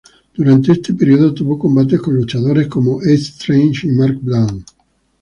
Durante ese periodo tuvo combates con luchadores como Ace Strange y Mark Bland.